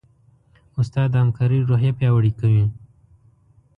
استاد د همکارۍ روحیه پیاوړې کوي.